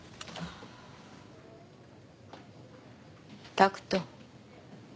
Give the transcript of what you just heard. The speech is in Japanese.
拓人。